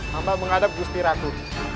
mampan menghadap gusti ratu